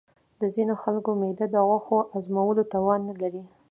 د ځینې خلکو معده د غوښې هضمولو توان نه لري.